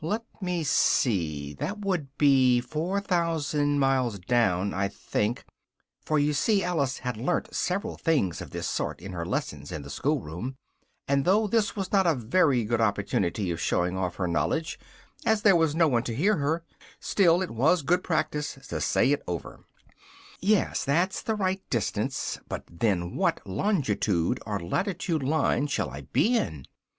Let me see: that would be four thousand miles down, I think " (for you see Alice had learnt several things of this sort in her lessons in the schoolroom, and though this was not a very good opportunity of showing off her knowledge, as there was no one to hear her, still it was good practice to say it over,) "yes that's the right distance, but then what Longitude or Latitude line shall I be in?"